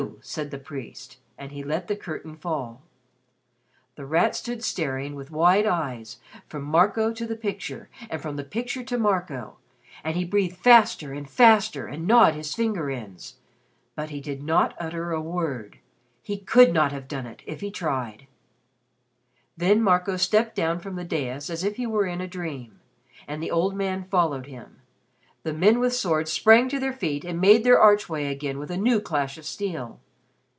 said the priest. And he let the curtain fall. The Rat stood staring with wide eyes from Marco to the picture and from the picture to Marco. And he breathed faster and faster and gnawed his finger ends. But he did not utter a word. He could not have done it, if he tried. Then Marco stepped down from the dais as if he were in a dream, and the old man followed him. The men with swords sprang to their feet and made their archway again with a new clash of steel.